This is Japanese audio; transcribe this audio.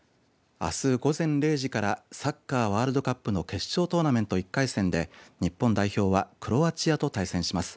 あす午前０時からサッカーワールドカップの決勝トーナメント１回戦で日本代表はクロアチアと対戦します。